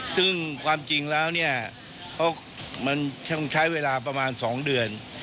ซึ่งความจริงแล้วเนี่ยมันต้องใช้เวลาประมาณ๒เดือน